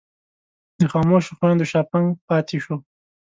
د خاموشو خویندو شاپنګ پاتې شو.